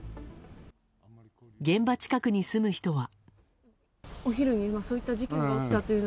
現場近くに住む人は。